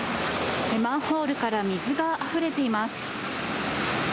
マンホールから水があふれています。